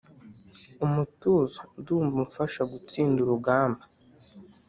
umutuzo ndumva umfasha gutsinda urugamba.